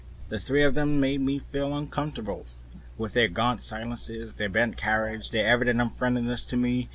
The three of them made me feel uncomfortable with their gaunt silences, their bent carriage, their evident unfriendliness to me and to one another.